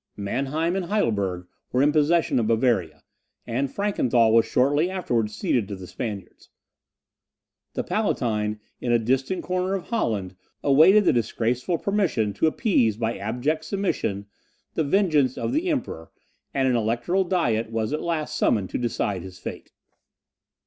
Manheim and Heidelberg were in possession of Bavaria, and Frankenthal was shortly afterwards ceded to the Spaniards. The Palatine, in a distant corner of Holland, awaited the disgraceful permission to appease, by abject submission, the vengeance of the Emperor; and an Electoral Diet was at last summoned to decide his fate.